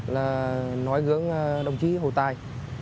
là nói gỡ đồng chí hồ tài